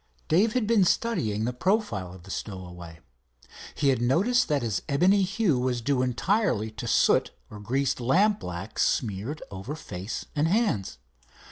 Dave had been studying the profile of the stowaway. He had noticed that his ebony hue was due entirely to soot or greased lampblack smeared over face and hands.